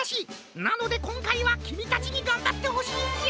なのでこんかいはきみたちにがんばってほしいんじゃ！